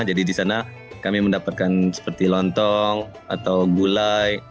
jadi di sana kami mendapatkan seperti lontong atau gula